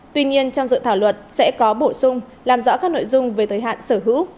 tuy nhiên trong dự thảo luật sẽ có bổ sung làm rõ các nội dung về thời hạn sở hữu